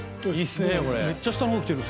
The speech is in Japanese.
めっちゃ下の方来てる。